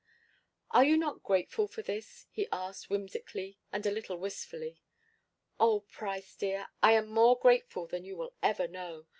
"Are you not grateful for this?" he asked whimsically and a little wistfully. "Oh, Price, dear, I am more grateful than you will ever know.